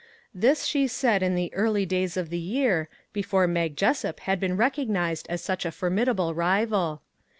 This, she said in the early days of the year, before Mag Jessup had been recognized as such a formidable rival.